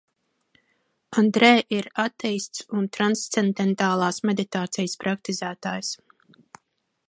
Andrē ir ateists un trancendentālās meditācijas praktizētājs.